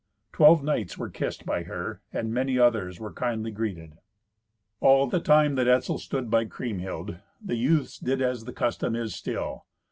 Twelve knights were kissed by her, and many others were kindly greeted. All the time that Etzel stood by Kriemhild, the youths did as the custom is still.